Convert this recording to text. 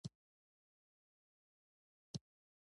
خلاصه مونيه او شروط الصلاة وويل.